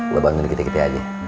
gue bangun dikit git aja